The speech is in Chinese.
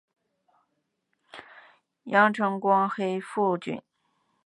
阳城光黑腹菌是属于牛肝菌目黑腹菌科光黑腹菌属的一种担子菌。